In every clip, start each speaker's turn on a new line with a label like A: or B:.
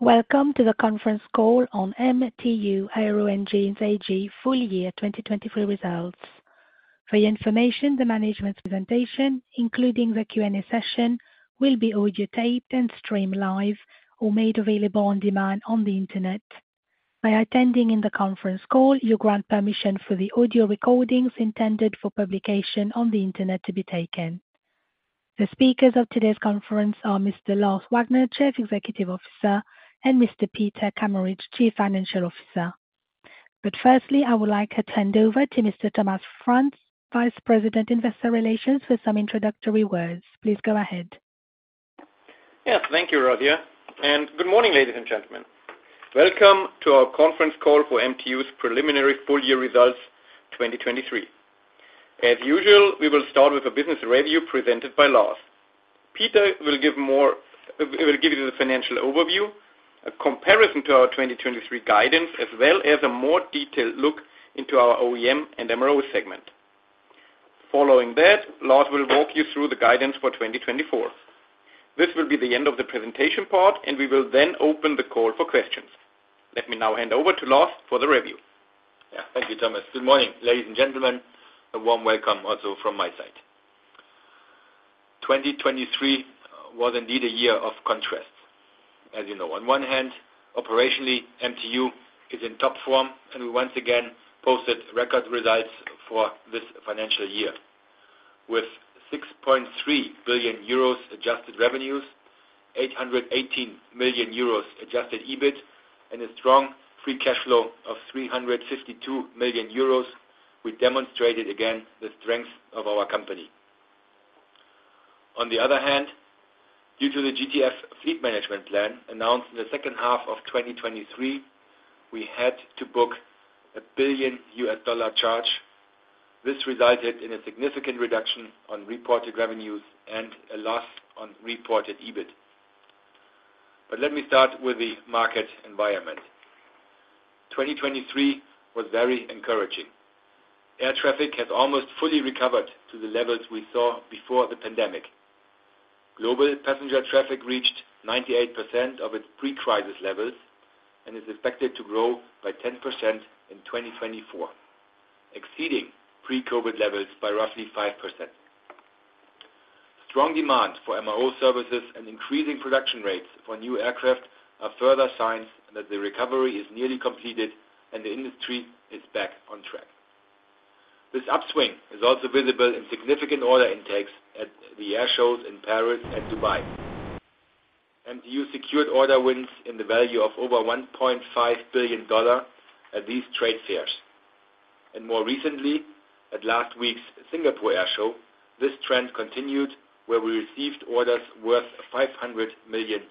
A: Welcome to the conference call on MTU Aero Engines AG full year 2024 results. For your information, the management presentation, including the Q&A session, will be audio-taped and streamed live, or made available on demand on the Internet. By attending the conference call, you grant permission for the audio recordings intended for publication on the Internet to be taken. The speakers of today's conference are Mr. Lars Wagner, Chief Executive Officer, and Mr. Peter Kameritsch, Chief Financial Officer. But firstly, I would like to turn over to Mr. Thomas Franz, Vice President Investor Relations, for some introductory words. Please go ahead.
B: Yes, thank you, Ravia. Good morning, ladies and gentlemen. Welcome to our conference call for MTU's preliminary full year results 2023. As usual, we will start with a business review presented by Lars. Peter will give you the financial overview, a comparison to our 2023 guidance, as well as a more detailed look into our OEM and MRO segment. Following that, Lars will walk you through the guidance for 2024. This will be the end of the presentation part, and we will then open the call for questions. Let me now hand over to Lars for the review.
C: Yeah, thank you, Thomas. Good morning, ladies and gentlemen. A warm welcome also from my side. 2023 was indeed a year of contrasts, as you know. On one hand, operationally, MTU is in top form, and we once again posted record results for this financial year, with 6.3 billion euros adjusted revenues, 818 million euros adjusted EBIT, and a strong free cash flow of 352 million euros. We demonstrated again the strength of our company. On the other hand, due to the GTF fleet management plan announced in the second half of 2023, we had to book a $1 billion charge. This resulted in a significant reduction on reported revenues and a loss on reported EBIT. But let me start with the market environment. 2023 was very encouraging. Air traffic has almost fully recovered to the levels we saw before the pandemic. Global passenger traffic reached 98% of its pre-crisis levels and is expected to grow by 10% in 2024, exceeding pre-COVID levels by roughly 5%. Strong demand for MRO services and increasing production rates for new aircraft are further signs that the recovery is nearly completed and the industry is back on track. This upswing is also visible in significant order intakes at the air shows in Paris and Dubai. MTU secured order wins in the value of over $1.5 billion at these trade fairs. More recently, at last week's Singapore Airshow, this trend continued where we received orders worth $500 million.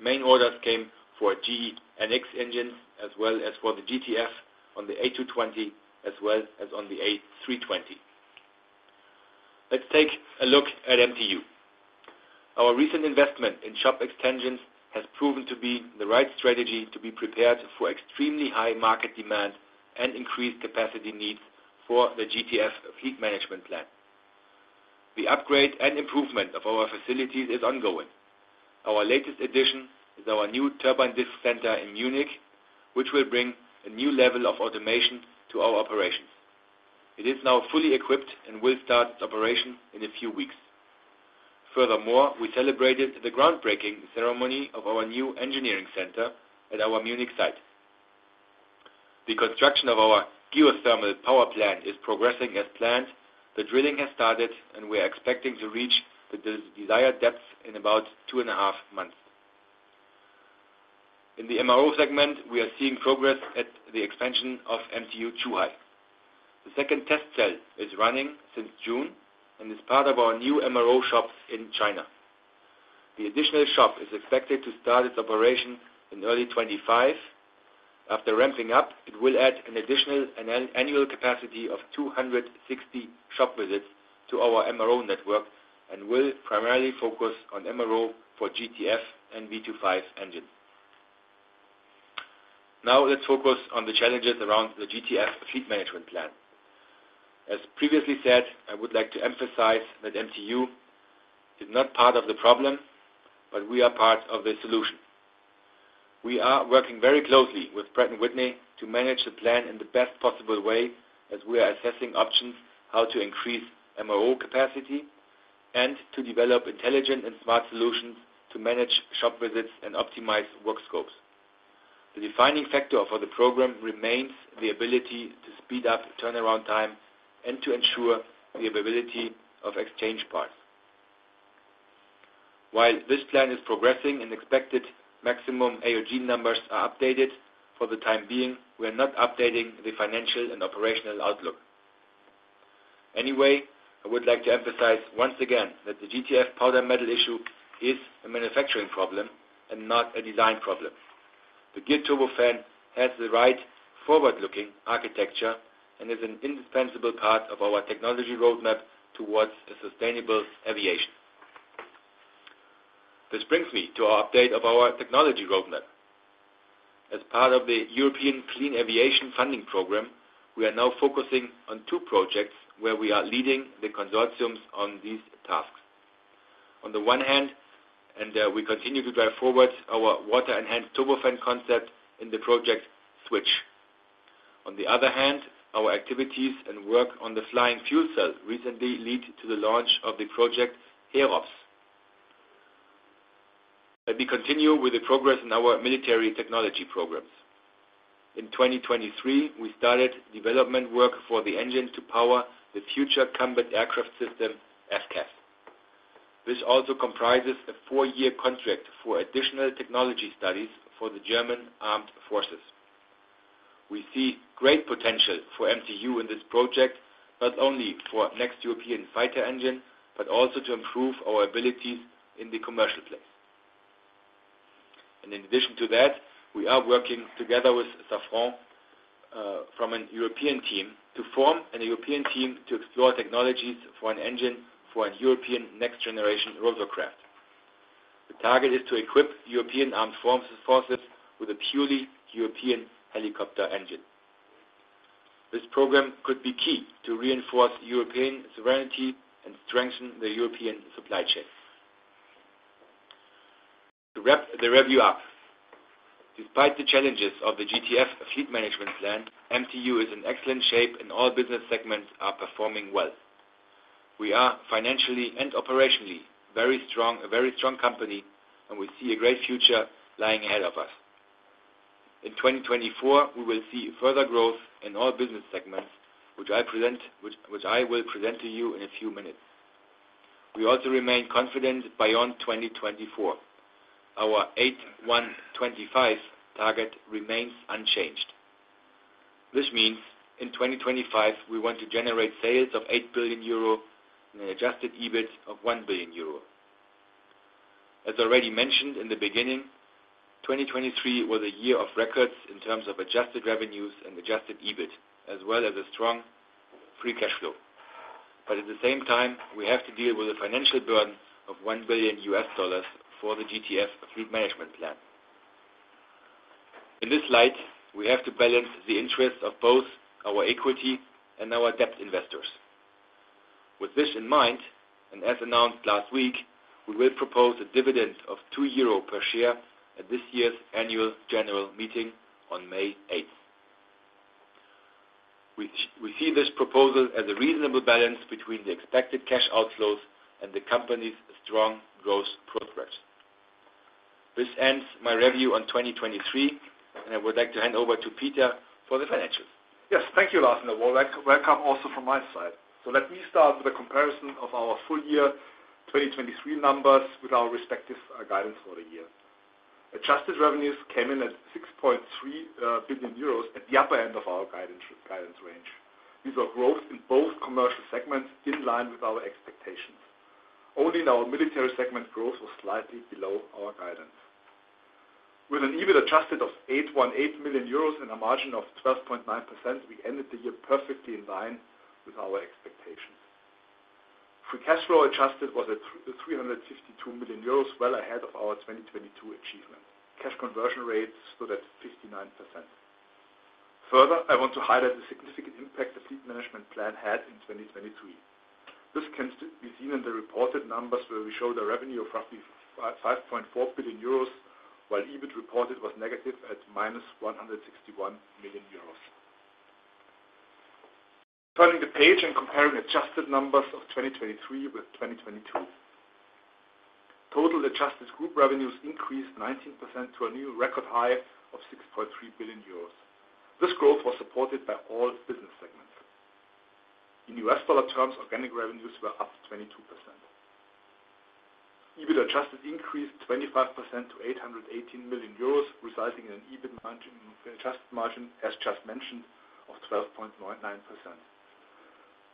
C: Main orders came for GEnx engines as well as for the GTF on the A220 as well as on the A320. Let's take a look at MTU. Our recent investment in shop extensions has proven to be the right strategy to be prepared for extremely high market demand and increased capacity needs for the GTF fleet management plan. The upgrade and improvement of our facilities is ongoing. Our latest addition is our new turbine disk center in Munich, which will bring a new level of automation to our operations. It is now fully equipped and will start its operation in a few weeks. Furthermore, we celebrated the groundbreaking ceremony of our new engineering center at our Munich site. The construction of our geothermal power plant is progressing as planned. The drilling has started, and we are expecting to reach the desired depths in about two and a half months. In the MRO segment, we are seeing progress at the expansion of MTU Zhuhai. The second test cell is running since June and is part of our new MRO shop in China. The additional shop is expected to start its operation in early 2025. After ramping up, it will add an additional annual capacity of 260 shop visits to our MRO network and will primarily focus on MRO for GTF and V2500 engines. Now let's focus on the challenges around the GTF fleet management plan. As previously said, I would like to emphasize that MTU is not part of the problem, but we are part of the solution. We are working very closely with Pratt & Whitney to manage the plan in the best possible way as we are assessing options how to increase MRO capacity and to develop intelligent and smart solutions to manage shop visits and optimize work scopes. The defining factor for the program remains the ability to speed up turnaround time and to ensure the availability of exchange parts. While this plan is progressing and expected maximum AOG numbers are updated, for the time being, we are not updating the financial and operational outlook. Anyway, I would like to emphasize once again that the GTF powder metal issue is a manufacturing problem and not a design problem. The Geared Turbofan has the right forward-looking architecture and is an indispensable part of our technology roadmap towards a sustainable aviation. This brings me to our update of our technology roadmap. As part of the European Clean Aviation Funding Program, we are now focusing on two projects where we are leading the consortiums on these tasks. On the one hand, we continue to drive forward our water-enhanced turbofan concept in the project SWITCH. On the other hand, our activities and work on the Flying Fuel Cell recently led to the launch of the project HEROPS. Let me continue with the progress in our military technology programs. In 2023, we started development work for the engine to power the Future Combat Aircraft System FCAS. This also comprises a four-year contract for additional technology studies for the German Armed Forces. We see great potential for MTU in this project, not only for next European fighter engine, but also to improve our abilities in the commercial space. And in addition to that, we are working together with Safran as a European team to form a European team to explore technologies for an engine for a European next-generation rotorcraft. The target is to equip European Armed Forces with a purely European helicopter engine. This program could be key to reinforce European sovereignty and strengthen the European supply chain. To wrap the review up, despite the challenges of the GTF fleet management plan, MTU is in excellent shape and all business segments are performing well. We are financially and operationally very strong, a very strong company, and we see a great future lying ahead of us. In 2024, we will see further growth in all business segments, which I will present to you in a few minutes. We also remain confident beyond 2024. Our 8125 Target remains unchanged. This means in 2025, we want to generate sales of 8 billion euro and an adjusted EBIT of 1 billion euro. As already mentioned in the beginning, 2023 was a year of records in terms of adjusted revenues and adjusted EBIT, as well as a strong free cash flow. But at the same time, we have to deal with a financial burden of $1 billion for the GTF fleet management plan. In this light, we have to balance the interests of both our equity and our debt investors. With this in mind, and as announced last week, we will propose a dividend of 2 euro per share at this year's annual general meeting on May 8th. We see this proposal as a reasonable balance between the expected cash outflows and the company's strong growth progress. This ends my review on 2023, and I would like to hand over to Peter for the financials.
D: Yes, thank you, Lars and Wallach. Welcome also from my side. So let me start with a comparison of our full year 2023 numbers with our respective guidance for the year. Adjusted revenues came in at 6.3 billion euros at the upper end of our guidance range. These are growth in both commercial segments in line with our expectations. Only in our military segment, growth was slightly below our guidance. With an EBIT adjusted of 818 million euros and a margin of 12.9%, we ended the year perfectly in line with our expectations. Free cash flow adjusted was at 352 million euros well ahead of our 2022 achievement. Cash conversion rates stood at 59%. Further, I want to highlight the significant impact the fleet management plan had in 2023. This can be seen in the reported numbers where we show the revenue of roughly 5.4 billion euros, while EBIT reported was negative at -161 million euros. Turning the page and comparing adjusted numbers of 2023 with 2022, total adjusted group revenues increased 19% to a new record high of 6.3 billion euros. This growth was supported by all business segments. In U.S. dollar terms, organic revenues were up 22%. EBIT adjusted increased 25% to 818 million euros, resulting in an EBIT adjusted margin, as just mentioned, of 12.99%.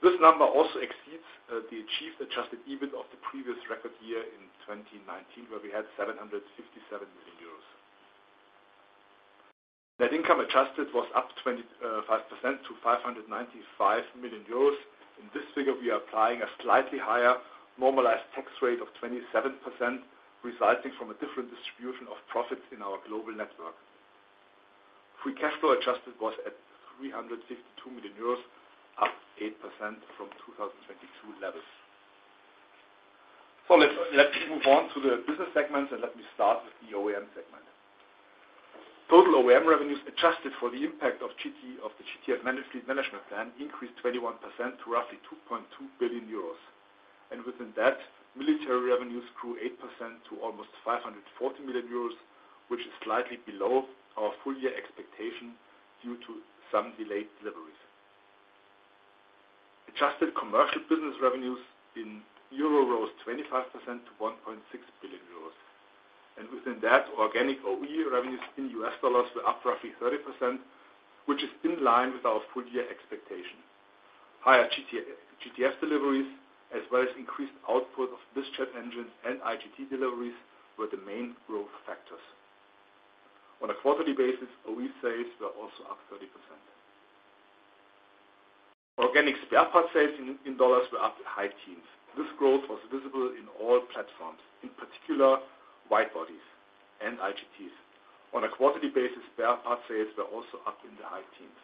D: This number also exceeds the achieved adjusted EBIT of the previous record year in 2019, where we had 757 million euros. Net income adjusted was up 25% to 595 million euros. In this figure, we are applying a slightly higher normalized tax rate of 27%, resulting from a different distribution of profits in our global network. Free cash flow adjusted was at 352 million euros, up 8% from 2022 levels. Let's move on to the business segments, and let me start with the OEM segment. Total OEM revenues adjusted for the impact of the GTF fleet management plan increased 21% to roughly 2.2 billion euros. Within that, military revenues grew 8% to almost 540 million euros, which is slightly below our full year expectation due to some delayed deliveries. Adjusted commercial business revenues in euro rose 25% to 1.6 billion euros. Within that, organic OE revenues in U.S. dollars were up roughly 30%, which is in line with our full year expectation. Higher GTF deliveries, as well as increased output of bizjet engines and IGT deliveries, were the main growth factors. On a quarterly basis, OE sales were also up 30%. Organic spare part sales in dollars were up to high teens. This growth was visible in all platforms, in particular wide bodies and IGTs. On a quarterly basis, spare part sales were also up in the high teens.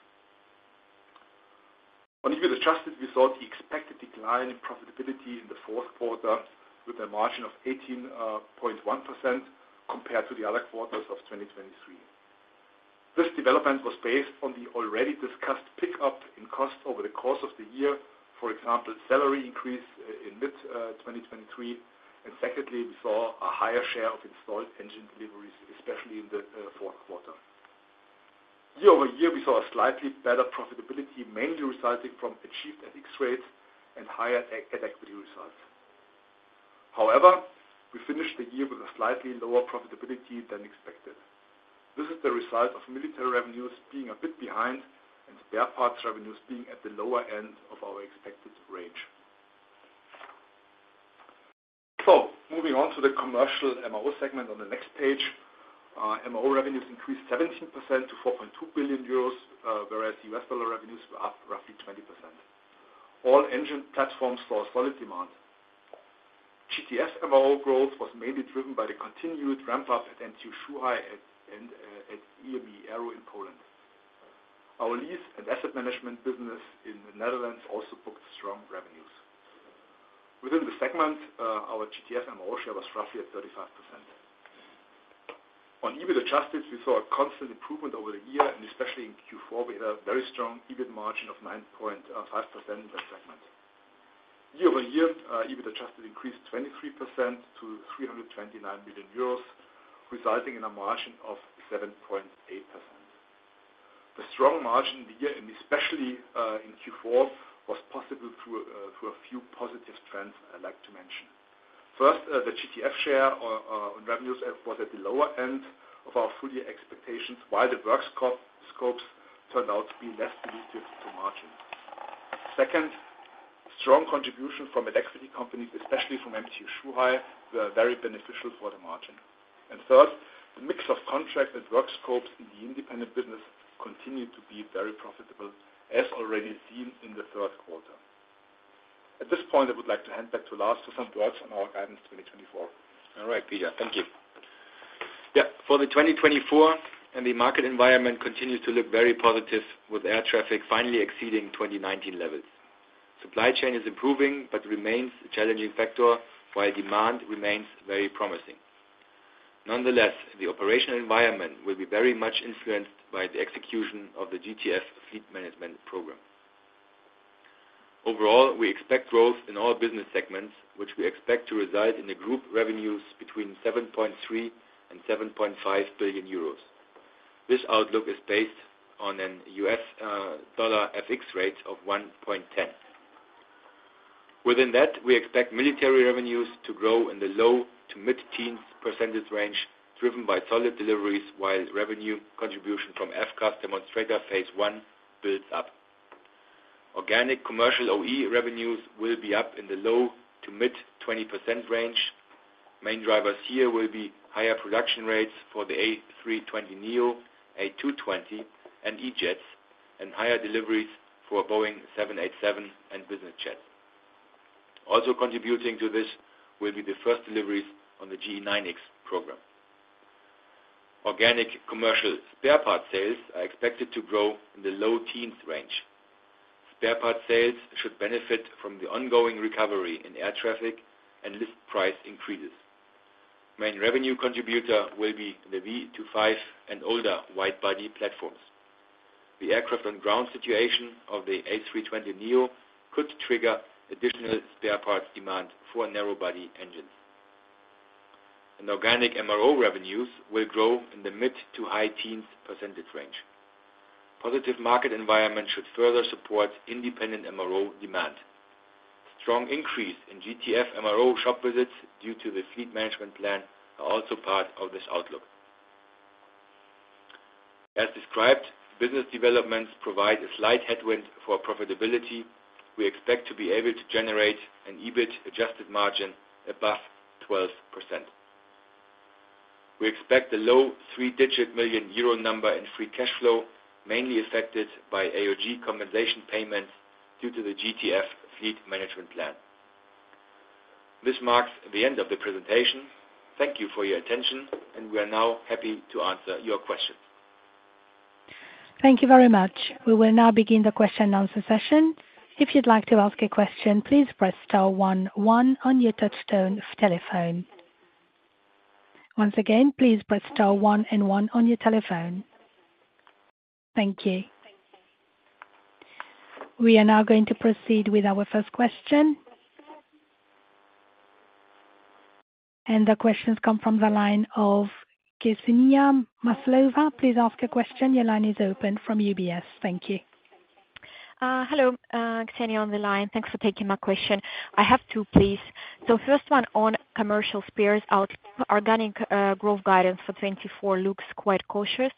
D: On EBIT adjusted, we saw the expected decline in profitability in the fourth quarter with a margin of 18.1% compared to the other quarters of 2023. This development was based on the already discussed pickup in costs over the course of the year, for example, salary increase in mid-2023. And secondly, we saw a higher share of installed engine deliveries, especially in the fourth quarter. Year-over-year, we saw a slightly better profitability, mainly resulting from achieved dispatch rates and higher aftermarket results. However, we finished the year with a slightly lower profitability than expected. This is the result of military revenues being a bit behind and spare parts revenues being at the lower end of our expected range. Moving on to the commercial MRO segment on the next page, MRO revenues increased 17% to 4.2 billion euros, whereas US dollar revenues were up roughly 20%. All engine platforms saw solid demand. GTF MRO growth was mainly driven by the continued ramp-up at MTU Zhuhai and at EME Aero in Poland. Our lease and asset management business in the Netherlands also booked strong revenues. Within the segment, our GTF MRO share was roughly at 35%. On EBIT adjusted, we saw a constant improvement over the year, and especially in Q4, we had a very strong EBIT margin of 9.5% in that segment. Year-over-year, EBIT adjusted increased 23% to 329 million euros, resulting in a margin of 7.8%. The strong margin in the year, and especially in Q4, was possible through a few positive trends I'd like to mention. First, the GTF share on revenues was at the lower end of our full-year expectations, while the work scopes turned out to be less relative to margins. Second, strong contribution from at-equity companies, especially from MTU Zhuhai, was very beneficial for the margin. Third, the mix of contracts and work scopes in the independent business continued to be very profitable, as already seen in the third quarter. At this point, I would like to hand back to Lars for some words on our guidance 2024.
C: All right, Peter. Thank you. Yeah, for the 2024, and the market environment continues to look very positive with air traffic finally exceeding 2019 levels. Supply chain is improving but remains a challenging factor, while demand remains very promising. Nonetheless, the operational environment will be very much influenced by the execution of the GTF fleet management program. Overall, we expect growth in all business segments, which we expect to result in group revenues between 7.3 billion and 7.5 billion euros. This outlook is based on a U.S. dollar FX rate of 1.10. Within that, we expect military revenues to grow in the low to mid-teens % range, driven by solid deliveries, while revenue contribution from FCAS demonstrator phase one builds up. Organic commercial OE revenues will be up in the low to mid-20% range. Main drivers here will be higher production rates for the A320neo, A220, and E-Jets, and higher deliveries for Boeing 787 and business jets. Also contributing to this will be the first deliveries on the GE9X program. Organic commercial spare part sales are expected to grow in the low-teens range. Spare part sales should benefit from the ongoing recovery in air traffic and list price increases. Main revenue contributor will be the V2500 and older widebody platforms. The aircraft-on-ground situation of the A320neo could trigger additional spare parts demand for narrowbody engines. Organic MRO revenues will grow in the mid- to high-teens percentage range. Positive market environment should further support independent MRO demand. Strong increase in GTF MRO shop visits due to the fleet management plan are also part of this outlook. As described, business developments provide a slight headwind for profitability. We expect to be able to generate an EBIT adjusted margin above 12%. We expect the low three-digit million EUR number in free cash flow, mainly affected by AOG compensation payments due to the GTF fleet management plan. This marks the end of the presentation. Thank you for your attention, and we are now happy to answer your questions.
A: Thank you very much. We will now begin the question and answer session. If you'd like to ask a question, please press star one one on your touch-tone telephone. Once again, please press star one and one on your telephone. Thank you. We are now going to proceed with our first question. The questions come from the line of Ksenia Maslova. Please ask a question. Your line is open from UBS. Thank you.
E: Hello. Ksenia on the line. Thanks for taking my question. I have two, please. So first one on commercial spares outlook. Organic growth guidance for 2024 looks quite cautious,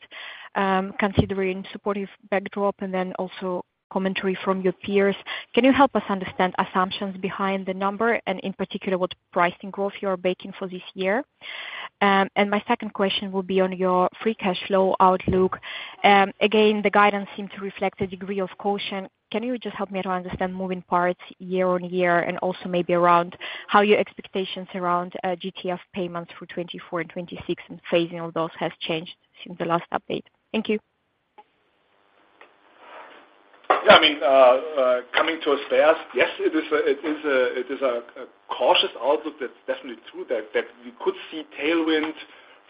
E: considering supportive backdrop and then also commentary from your peers. Can you help us understand assumptions behind the number and, in particular, what pricing growth you are baking for this year? And my second question will be on your free cash flow outlook. Again, the guidance seemed to reflect a degree of caution. Can you just help me to understand moving parts year-over-year and also maybe around how your expectations around GTF payments for 2024 and 2026 and phasing all those has changed since the last update? Thank you.
D: Yeah, I mean, coming to spares, yes, it is a cautious outlook. That's definitely true, that we could see tailwind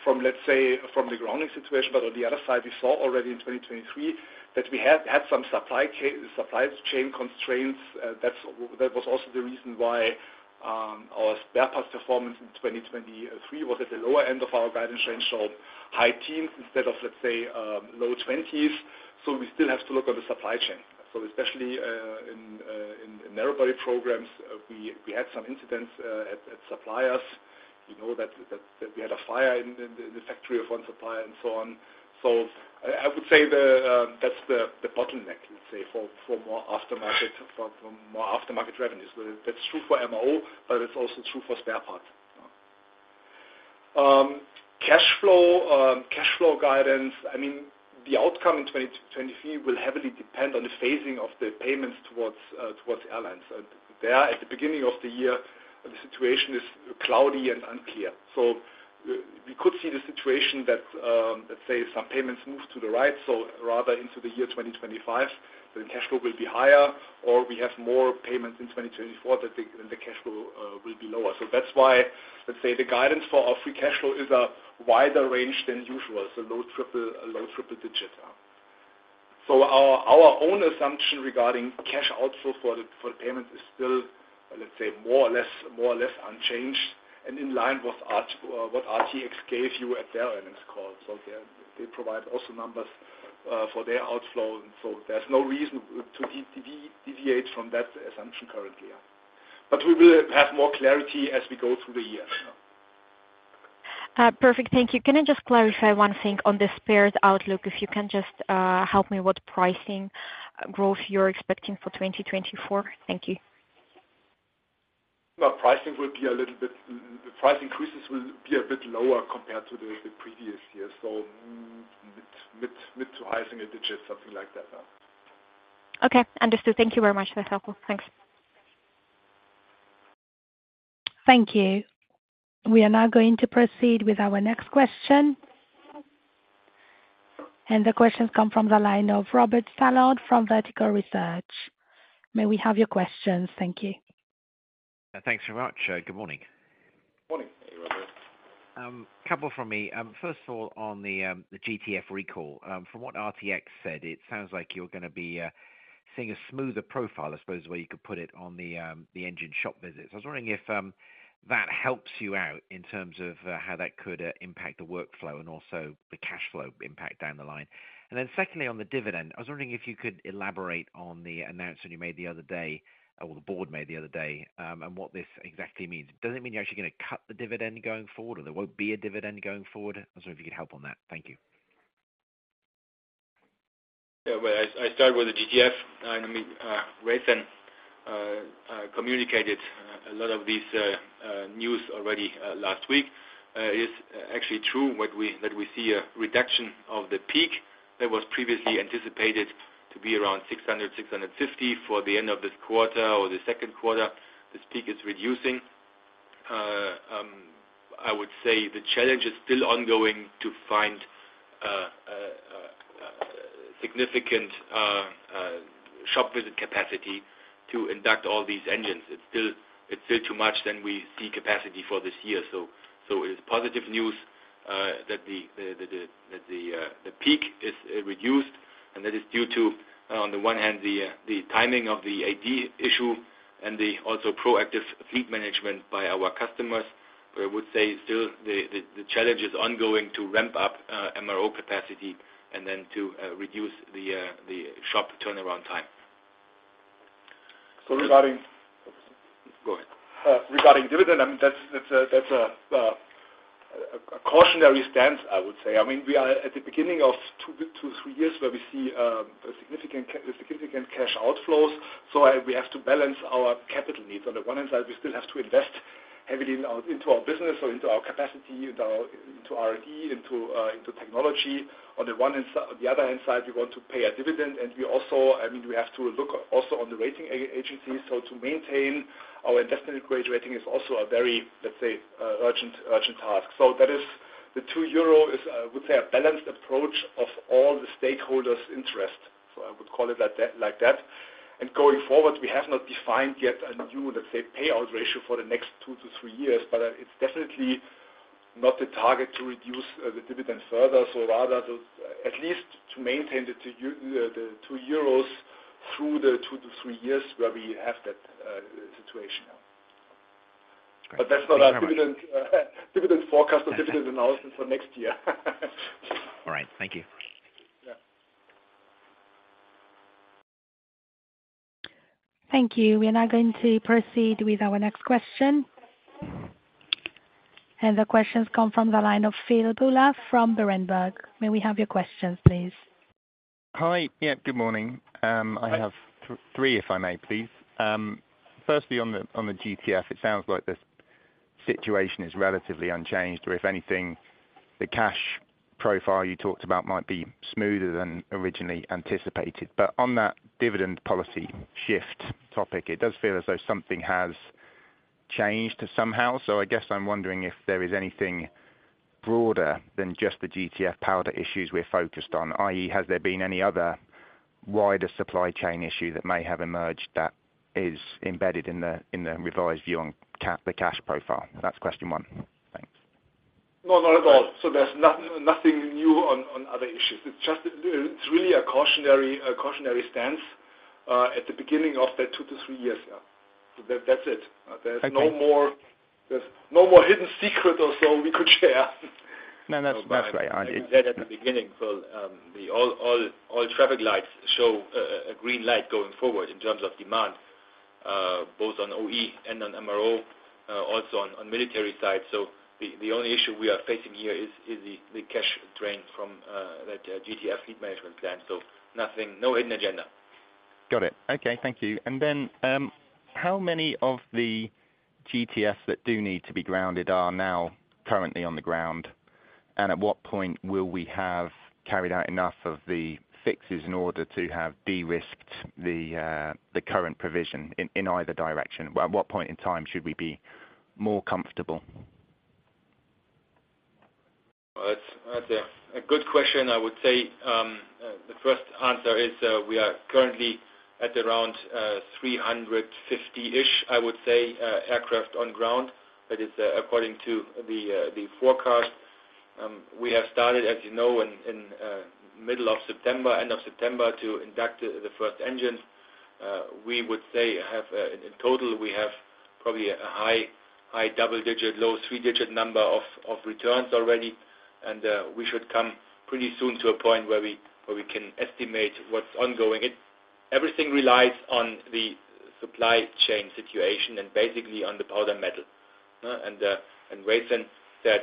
D: from, let's say, from the grounding situation. But on the other side, we saw already in 2023 that we had some supply chain constraints. That was also the reason why our spare parts performance in 2023 was at the lower end of our guidance range, so high teens instead of, let's say, low twenties. So we still have to look on the supply chain. So especially in narrow body programs, we had some incidents at suppliers. You know that we had a fire in the factory of one supplier and so on. So I would say that's the bottleneck, let's say, for more aftermarket revenues. That's true for MRO, but it's also true for spare parts. Cash flow guidance, I mean, the outcome in 2023 will heavily depend on the phasing of the payments towards airlines. And there, at the beginning of the year, the situation is cloudy and unclear. So we could see the situation that, let's say, some payments move to the right, so rather into the year 2025, then cash flow will be higher, or we have more payments in 2024 that the cash flow will be lower. So that's why, let's say, the guidance for our free cash flow is a wider range than usual, so low triple digit. So our own assumption regarding cash outflow for the payments is still, let's say, more or less unchanged and in line with what RTX gave you at their earnings call. So they provide also numbers for their outflow. So there's no reason to deviate from that assumption currently. But we will have more clarity as we go through the year.
E: Perfect. Thank you. Can I just clarify one thing on the spares outlook? If you can just help me with pricing growth you're expecting for 2024? Thank you.
D: Well, pricing will be a little bit, the price increases will be a bit lower compared to the previous year, so mid-to high-single-digit, something like that.
E: Okay. Understood. Thank you very much. That's helpful. Thanks.
A: Thank you. We are now going to proceed with our next question. The questions come from the line of Robert Stallard from Vertical Research. May we have your questions? Thank you.
F: Yeah, thanks very much. Good morning.
D: Good morning.
C: Hey, Robert.
F: couple from me. First of all, on the GTF recall, from what RTX said, it sounds like you're going to be seeing a smoother profile, I suppose, is the way you could put it, on the engine shop visits. I was wondering if that helps you out in terms of how that could impact the workflow and also the cash flow impact down the line. And then secondly, on the dividend, I was wondering if you could elaborate on the announcement you made the other day or the board made the other day and what this exactly means. Does it mean you're actually going to cut the dividend going forward, or there won't be a dividend going forward? I was wondering if you could help on that. Thank you.
C: Yeah, well, I started with the GTF line. I mean, RTX communicated a lot of this news already last week. It is actually true that we see a reduction of the peak that was previously anticipated to be around 600-650 for the end of this quarter or the second quarter. This peak is reducing. I would say the challenge is still ongoing to find significant shop visit capacity to induct all these engines. It's still too much than we see capacity for this year. So it is positive news that the peak is reduced, and that is due to, on the one hand, the timing of the AD issue and also proactive fleet management by our customers. But I would say still, the challenge is ongoing to ramp up MRO capacity and then to reduce the shop turnaround time.
D: So regarding.
C: Go ahead.
D: Regarding dividend, I mean, that's a cautionary stance, I would say. I mean, we are at the beginning of two to three years where we see significant cash outflows. So we have to balance our capital needs. On the one hand side, we still have to invest heavily into our business, so into our capacity, into R&D, into technology. On the other hand side, we want to pay a dividend. And I mean, we have to look also on the rating agencies. So to maintain our investment grade rating is also a very, let's say, urgent task. So the 2 euro is, I would say, a balanced approach of all the stakeholders' interest. So I would call it like that. Going forward, we have not defined yet a new, let's say, payout ratio for the next two to three years, but it's definitely not the target to reduce the dividend further. So rather, at least to maintain the 2 euros through the two to three years where we have that situation. But that's not our dividend forecast or dividend announcement for next year.
F: All right. Thank you.
A: Thank you. We are now going to proceed with our next question. The questions come from the line of Phil Buller from Berenberg. May we have your questions, please?
G: Hi. Yeah, good morning. I have three, if I may, please. Firstly, on the GTF, it sounds like this situation is relatively unchanged, or if anything, the cash profile you talked about might be smoother than originally anticipated. But on that dividend policy shift topic, it does feel as though something has changed somehow. So I guess I'm wondering if there is anything broader than just the GTF powder issues we're focused on, i.e., has there been any other wider supply chain issue that may have emerged that is embedded in the revised view on the cash profile? That's question one. Thanks.
D: No, not at all. So there's nothing new on other issues. It's really a cautionary stance at the beginning of that two to three years. That's it. There's no more hidden secret or so we could share.
G: No, that's right. I agree.
C: I mean, we said at the beginning, Phil, all traffic lights show a green light going forward in terms of demand, both on OE and on MRO, also on military side. So the only issue we are facing here is the cash drain from that GTF fleet management plan. So no hidden agenda.
G: Got it. Okay. Thank you. And then how many of the GTFs that do need to be grounded are now currently on the ground? And at what point will we have carried out enough of the fixes in order to have de-risked the current provision in either direction? At what point in time should we be more comfortable?
C: That's a good question. I would say the first answer is we are currently at around 350-ish, I would say, aircraft on ground. That is according to the forecast. We have started, as you know, in middle of September, end of September, to induct the first engines. We would say, in total, we have probably a high double-digit, low three-digit number of returns already. And we should come pretty soon to a point where we can estimate what's ongoing. Everything relies on the supply chain situation and basically on the Powder Metal. And Raytheon said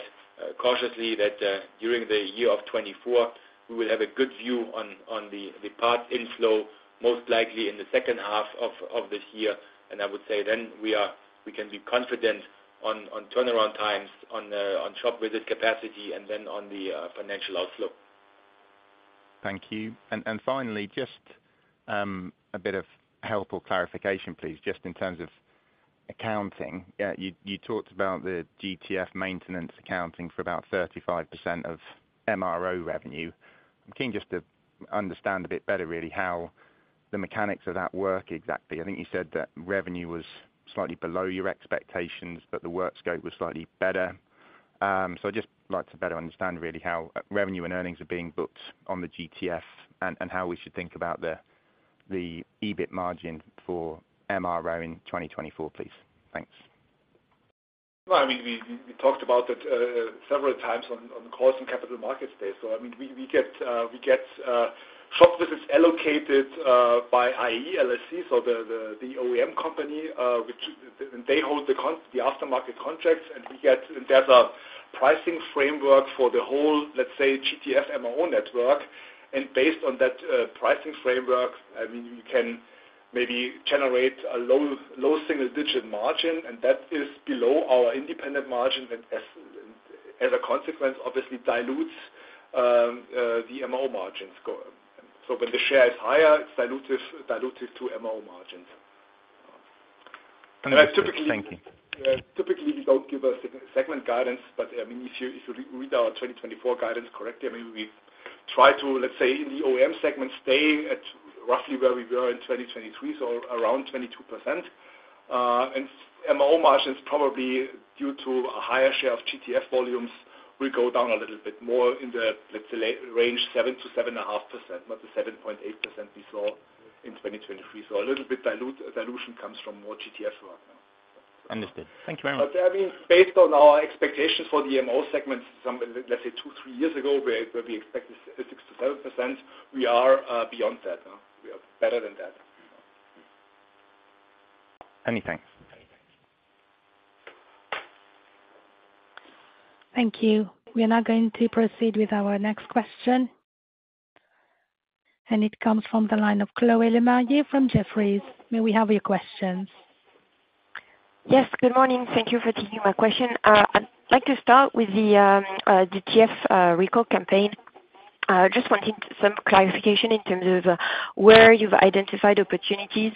C: cautiously that during the year of 2024, we will have a good view on the parts inflow, most likely in the second half of this year. And I would say then we can be confident on turnaround times, on shop visit capacity, and then on the financial outflow.
G: Thank you. And finally, just a bit of helpful clarification, please, just in terms of accounting. You talked about the GTF maintenance accounting for about 35% of MRO revenue. I'm keen just to understand a bit better, really, how the mechanics of that work exactly. I think you said that revenue was slightly below your expectations, but the work scope was slightly better. So I'd just like to better understand, really, how revenue and earnings are being booked on the GTF and how we should think about the EBIT margin for MRO in 2024, please. Thanks.
D: Right. I mean, we talked about it several times on the calls and capital markets days. So I mean, we get shop visits allocated by IAE LLC, so the OEM company, and they hold the aftermarket contracts. And there's a pricing framework for the whole, let's say, GTF MRO network. And based on that pricing framework, I mean, you can maybe generate a low single-digit margin. And that is below our independent margin and, as a consequence, obviously, dilutes the MRO margins. So when the share is higher, it's diluted to MRO margins. And typically.
G: Thank you.
D: Yeah, typically, we don't give a segment guidance. But I mean, if you read our 2024 guidance correctly, I mean, we try to, let's say, in the OEM segment, stay at roughly where we were in 2023, so around 22%. And MRO margins, probably due to a higher share of GTF volumes, will go down a little bit more in the, let's say, range 7%-7.5%, not the 7.8% we saw in 2023. So a little bit dilution comes from more GTF work.
G: Understood. Thank you very much.
D: But I mean, based on our expectations for the MRO segments, let's say, two to three years ago, where we expected 6%-7%, we are beyond that. We are better than that.
G: Many thanks.
A: Thank you. We are now going to proceed with our next question. It comes from the line of Chloé Lemarié from Jefferies. May we have your questions?
H: Yes. Good morning. Thank you for taking my question. I'd like to start with the GTF recall campaign. I just wanted some clarification in terms of where you've identified opportunities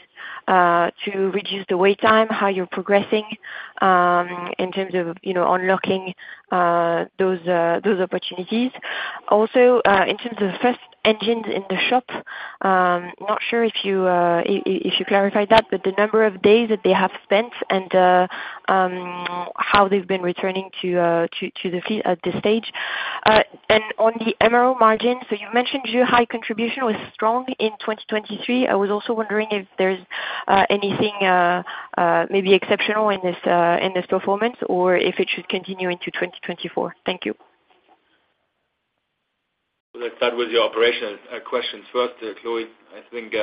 H: to reduce the wait time, how you're progressing in terms of unlocking those opportunities. Also, in terms of first engines in the shop, not sure if you clarified that, but the number of days that they have spent and how they've been returning to the fleet at this stage. On the MRO margin, so you mentioned your high contribution was strong in 2023. I was also wondering if there's anything maybe exceptional in this performance or if it should continue into 2024. Thank you.
C: Well, I start with your operational questions first, Chloe. I think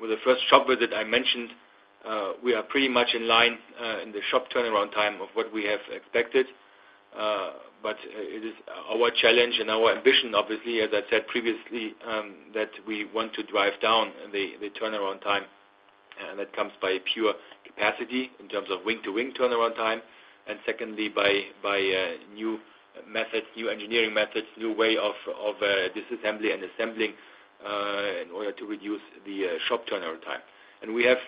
C: with the first shop visit, I mentioned we are pretty much in line in the shop turnaround time of what we have expected. But it is our challenge and our ambition, obviously, as I said previously, that we want to drive down the turnaround time. And that comes by pure capacity in terms of wing-to-wing turnaround time. And secondly, by new methods, new engineering methods, new way of disassembly and assembling in order to reduce the shop turnaround time. And we have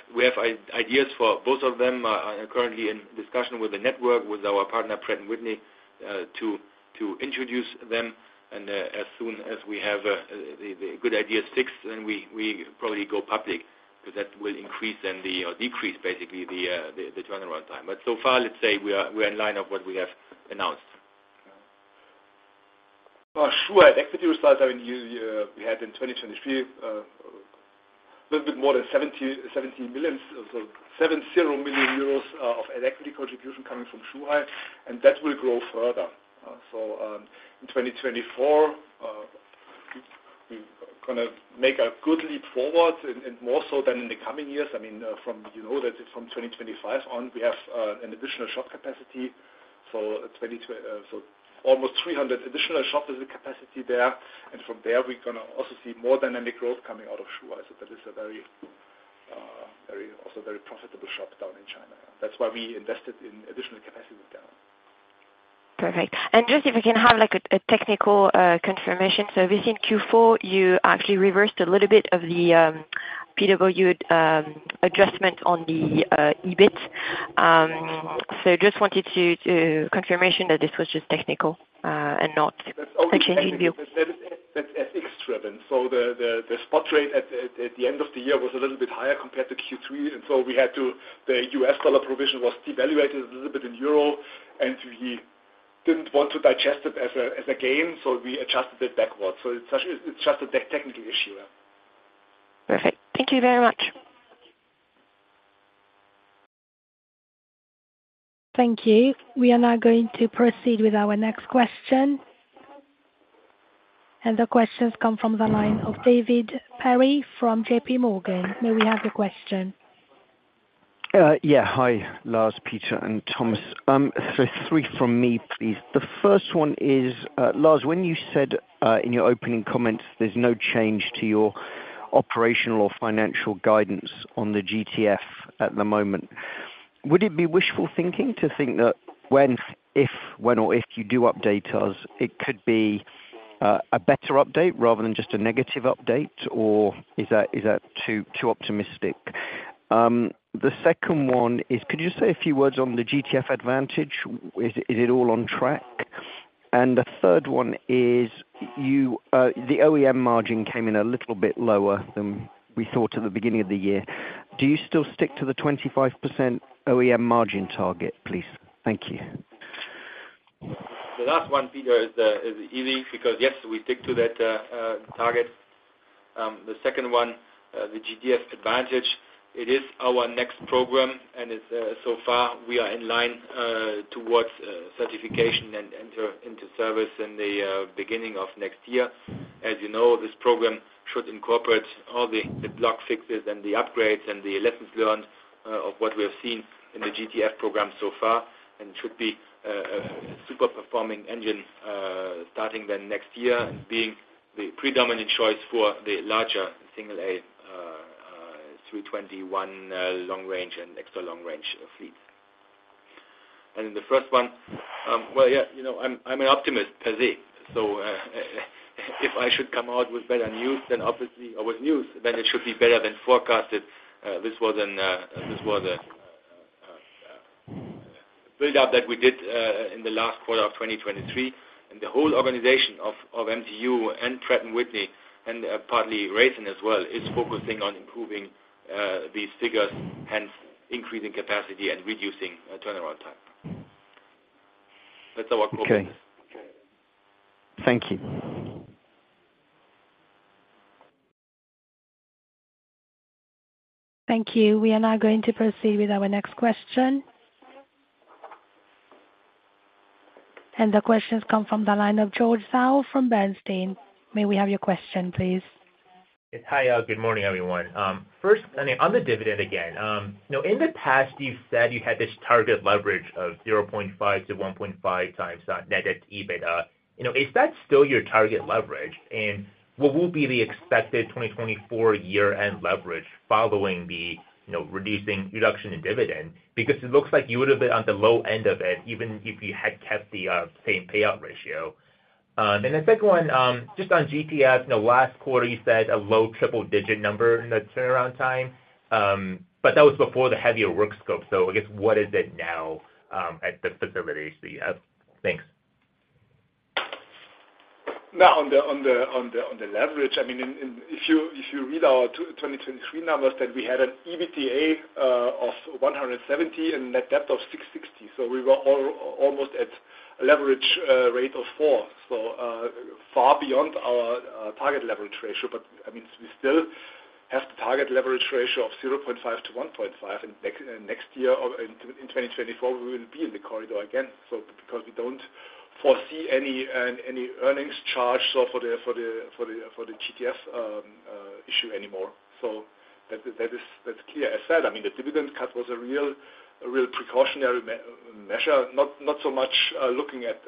C: ideas for both of them. I'm currently in discussion with the network, with our partner, Pratt & Whitney, to introduce them. And as soon as we have the good ideas fixed, then we probably go public because that will increase then or decrease, basically, the turnaround time. So far, let's say we are in line with what we have announced.
D: Well, Zhuhai equity results, I mean, we had in 2023 a little bit more than 70 million euros, so 70 million euros of an equity contribution coming from Zhuhai. And that will grow further. So in 2024, we're going to make a good leap forward and more so than in the coming years. I mean, you know that from 2025 on, we have an additional shop capacity. So almost 300 additional shops is the capacity there. And from there, we're going to also see more dynamic growth coming out of Zhuhai. So that is also a very profitable shop down in China. That's why we invested in additional capacity with them.
H: Perfect. And just if I can have a technical confirmation? So we see in Q4, you actually reversed a little bit of the PW adjustment on the EBIT. So I just wanted confirmation that this was just technical and not a changing view.
D: That's FX-driven. The spot rate at the end of the year was a little bit higher compared to Q3. And the U.S. dollar provision was devalued a little bit in Euros. And we didn't want to digest it as a gain, so we adjusted it backwards. It's just a technical issue.
H: Perfect. Thank you very much.
A: Thank you. We are now going to proceed with our next question. The questions come from the line of David Perry from JPMorgan. May we have your question?
I: Yeah. Hi, Lars, Peter, and Thomas. So three from me, please. The first one is, Lars, when you said in your opening comments there's no change to your operational or financial guidance on the GTF at the moment, would it be wishful thinking to think that when, if, when or if you do update us, it could be a better update rather than just a negative update? Or is that too optimistic? The second one is, could you just say a few words on the GTF Advantage? Is it all on track? And the third one is, the OEM margin came in a little bit lower than we thought at the beginning of the year. Do you still stick to the 25% OEM margin target, please? Thank you.
C: The last one, Peter, is easy because, yes, we stick to that target. The second one, the GTF Advantage, it is our next program. And so far, we are in line towards certification and enter service in the beginning of next year. As you know, this program should incorporate all the block fixes and the upgrades and the lessons learned of what we have seen in the GTF program so far and should be a super-performing engine starting then next year and being the predominant choice for the larger A321 long-range and extra long-range fleets. And in the first one, well, yeah, I'm an optimist per se. So if I should come out with better news than obviously or with news, then it should be better than forecasted. This was a buildup that we did in the last quarter of 2023. The whole organization of MTU and Pratt & Whitney and partly Rayson as well is focusing on improving these figures, hence increasing capacity and reducing turnaround time. That's our focus.
I: Okay. Thank you.
A: Thank you. We are now going to proceed with our next question. The questions come from the line of George Zhao from Bernstein. May we have your question, please?
J: Hi. Good morning, everyone. First, I mean, on the dividend again, in the past, you've said you had this target leverage of 0.5-1.5 times net debt to EBIT. Is that still your target leverage? And what will be the expected 2024 year-end leverage following the reduction in dividend? Because it looks like you would have been on the low end of it even if you had kept the same payout ratio. And the second one, just on GTF, last quarter, you said a low triple-digit number in the turnaround time. But that was before the heavier work scope. So I guess what is it now at the facilities that you have? Thanks.
D: Now, on the leverage, I mean, if you read our 2023 numbers, then we had an EBITDA of 170 million and net debt of 660 million. So we were almost at a leverage rate of four, so far beyond our target leverage ratio. But I mean, we still have the target leverage ratio of 0.5-1.5. And next year, in 2024, we will be in the corridor again because we don't foresee any earnings charge for the GTF issue anymore. So that's clear. As said, I mean, the dividend cut was a real precautionary measure, not so much looking at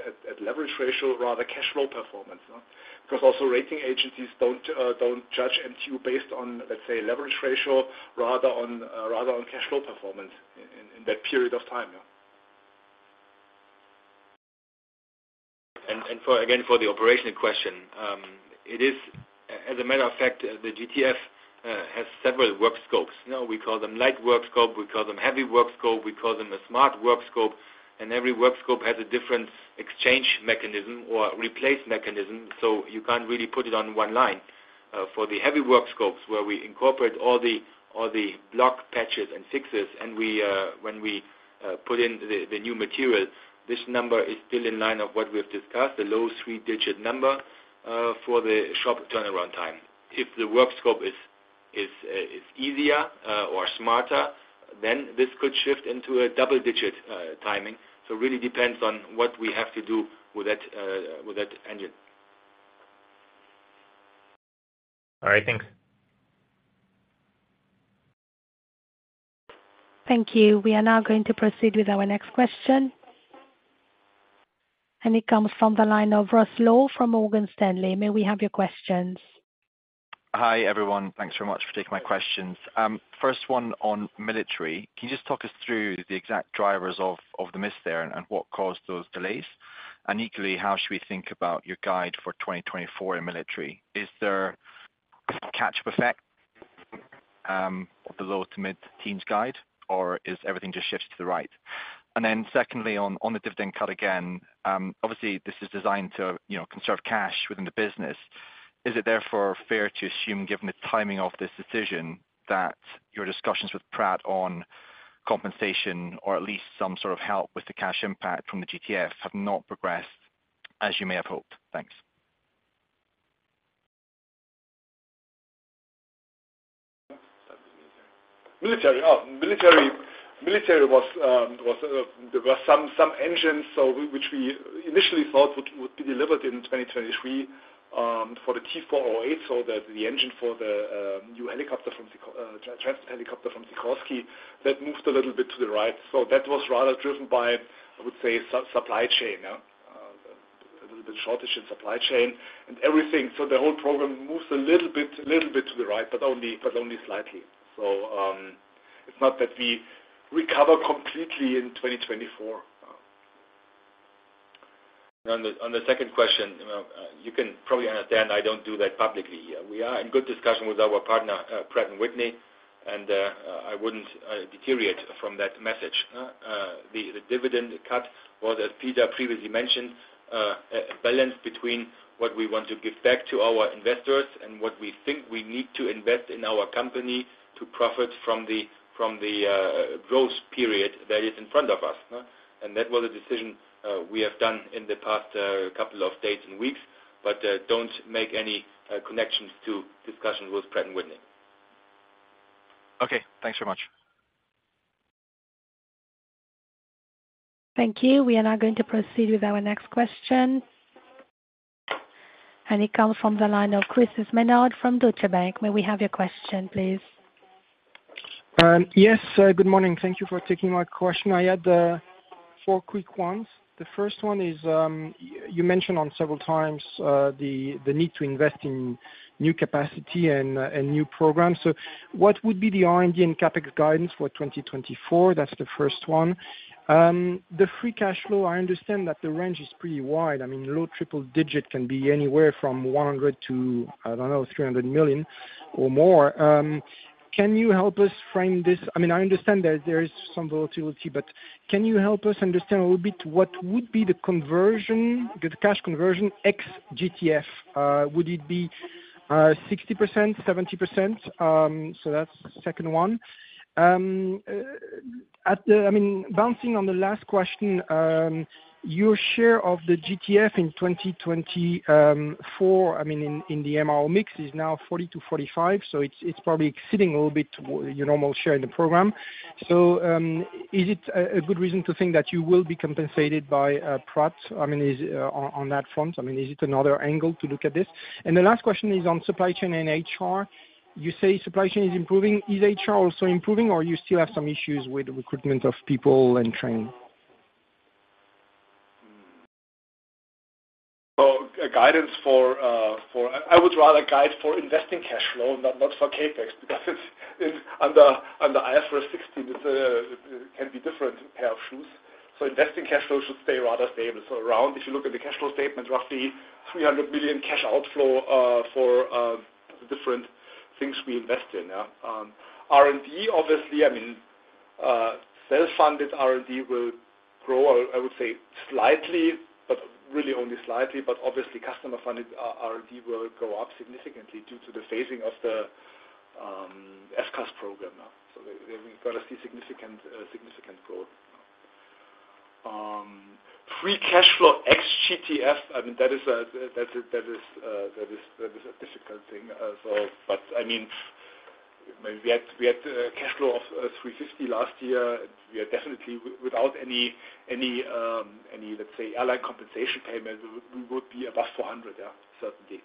D: leverage ratio, rather cash flow performance because also rating agencies don't judge MTU based on, let's say, leverage ratio, rather on cash flow performance in that period of time.
C: Again, for the operational question, it is, as a matter of fact, the GTF has several work scopes. We call them light work scope. We call them heavy work scope. We call them a smart work scope. And every work scope has a different exchange mechanism or replace mechanism. So you can't really put it on one line. For the heavy work scopes, where we incorporate all the block patches and fixes, and when we put in the new material, this number is still in line of what we've discussed, the low three-digit number for the shop turnaround time. If the work scope is easier or smarter, then this could shift into a double-digit timing. So it really depends on what we have to do with that engine.
J: All right. Thanks.
A: Thank you. We are now going to proceed with our next question. It comes from the line of Ross Law from Morgan Stanley. May we have your questions?
K: Hi, everyone. Thanks very much for taking my questions. First one on military. Can you just talk us through the exact drivers of the miss there and what caused those delays? And equally, how should we think about your guide for 2024 in military? Is there catch-up effect of the low to mid-teens guide, or is everything just shifted to the right? And then secondly, on the dividend cut again, obviously, this is designed to conserve cash within the business. Is it therefore fair to assume, given the timing of this decision, that your discussions with Pratt on compensation or at least some sort of help with the cash impact from the GTF have not progressed as you may have hoped? Thanks.
D: Military? Oh, military, there were some engines which we initially thought would be delivered in 2023 for the T408, so the engine for the new helicopter from the transport helicopter from Sikorsky, that moved a little bit to the right. So that was rather driven by, I would say, supply chain, a little bit shortage in supply chain and everything. So the whole program moves a little bit to the right, but only slightly. So it's not that we recover completely in 2024.
C: On the second question, you can probably understand I don't do that publicly here. We are in good discussion with our partner, Pratt & Whitney. And I wouldn't deviate from that message. The dividend cut was, as Peter previously mentioned, a balance between what we want to give back to our investors and what we think we need to invest in our company to profit from the growth period that is in front of us. And that was a decision we have done in the past couple of days and weeks. But don't make any connections to discussions with Pratt & Whitney.
K: Okay. Thanks very much.
A: Thank you. We are now going to proceed with our next question. It comes from the line of Chris Menard from Deutsche Bank. May we have your question, please?
L: Yes. Good morning. Thank you for taking my question. I had four quick ones. The first one is, you mentioned on several times the need to invest in new capacity and new programs. So what would be the R&D and CapEx guidance for 2024? That's the first one. The free cash flow, I understand that the range is pretty wide. I mean, low triple-digit can be anywhere from 100 million to, I don't know, 300 million or more. Can you help us frame this? I mean, I understand there is some volatility, but can you help us understand a little bit what would be the cash conversion ex-GTF? Would it be 60%, 70%? So that's the second one. I mean, bouncing on the last question, your share of the GTF in 2024, I mean, in the MRO mix is now 40%-45%. So it's probably exceeding a little bit your normal share in the program. So is it a good reason to think that you will be compensated by Pratt, I mean, on that front? I mean, is it another angle to look at this? And the last question is on supply chain and HR. You say supply chain is improving. Is HR also improving, or do you still have some issues with recruitment of people and training?
D: Oh, guidance for I would rather guide for investing cash flow, not for CapEx because under IFRS 16, it can be different pair of shoes. So investing cash flow should stay rather stable. So around, if you look at the cash flow statement, roughly 300 million cash outflow for the different things we invest in. R&D, obviously, I mean, self-funded R&D will grow, I would say, slightly, but really only slightly. But obviously, customer-funded R&D will go up significantly due to the phasing of the FCAS program. So we've got to see significant growth. Free cash flow ex-GTF, I mean, that is a difficult thing. But I mean, we had cash flow of 350 million last year. Without any, let's say, airline compensation payment, we would be above 400 million, certainly.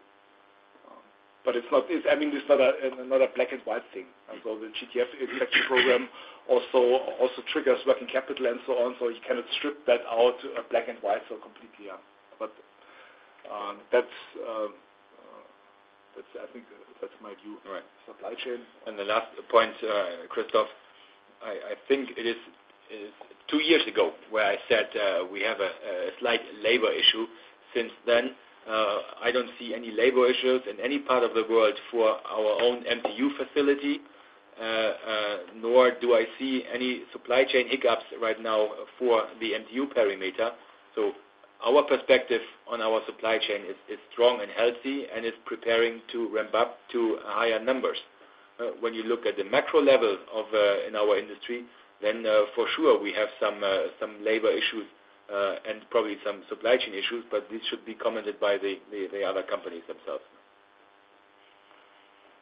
D: But I mean, it's not another black-and-white thing. So the GTF execution program also triggers working capital and so on. You cannot strip that out black-and-white so completely. But I think that's my view, supply chain.
C: The last point, Christoph, I think it is two years ago where I said we have a slight labor issue. Since then, I don't see any labor issues in any part of the world for our own MTU facility, nor do I see any supply chain hiccups right now for the MTU perimeter. So our perspective on our supply chain is strong and healthy and is preparing to ramp up to higher numbers. When you look at the macro level in our industry, then for sure, we have some labor issues and probably some supply chain issues. But these should be commented by the other companies themselves.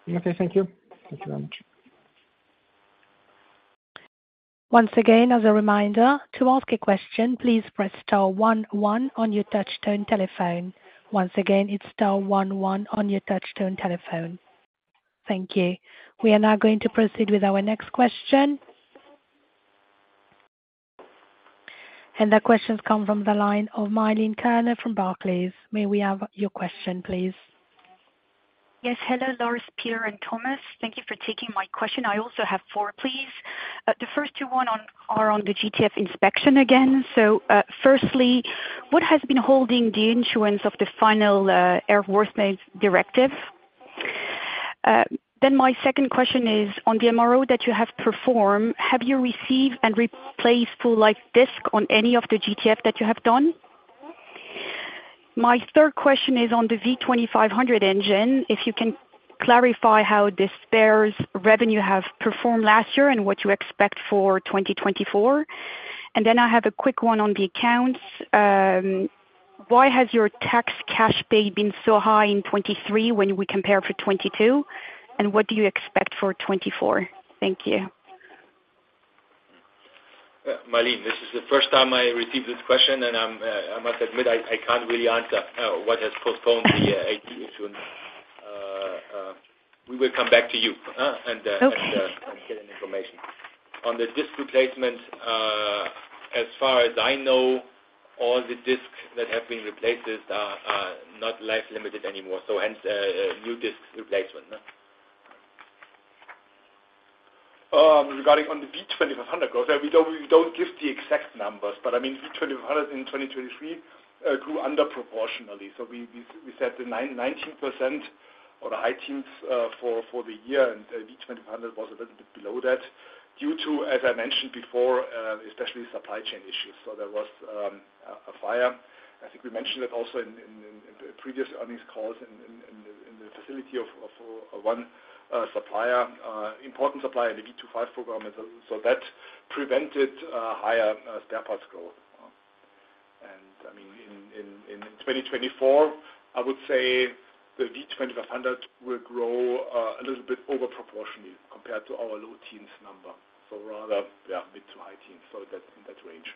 L: Okay. Thank you. Thank you very much.
A: Once again, as a reminder, to ask a question, please press star one one on your touch-tone telephone. Once again, it's star one one on your touch-tone telephone. Thank you. We are now going to proceed with our next question. The questions come from the line of Milene Kerner from Barclays. May we have your question, please?
M: Yes. Hello, Lars, Peter, and Thomas. Thank you for taking my question. I also have four, please. The first two are on the GTF inspection again. So firstly, what has been holding the issuance of the final airworthiness directive? Then my second question is, on the MRO that you have performed, have you received and replaced full-life disk on any of the GTF that you have done? My third question is on the V2500 engine, if you can clarify how the spares revenue have performed last year and what you expect for 2024. And then I have a quick one on the accounts. Why has your tax cash pay been so high in 2023 when we compare for 2022? And what do you expect for 2024? Thank you.
C: Milene, this is the first time I received this question. I must admit, I can't really answer what has postponed the IT issue. We will come back to you and get information. On the disk replacement, as far as I know, all the disks that have been replaced are not life-limited anymore. Hence, new disk replacement.
D: Regarding the V2500, we don't give the exact numbers. But I mean, V2500 in 2023 grew underproportionately. So we set the 19% or the high teens for the year. And V2500 was a little bit below that due to, as I mentioned before, especially supply chain issues. So there was a fire. I think we mentioned it also in previous earnings calls in the facility of one important supplier in the V25 program. So that prevented higher spare parts growth. And I mean, in 2024, I would say the V2500 will grow a little bit overproportionately compared to our low teens number, so rather mid to high teens, so in that range.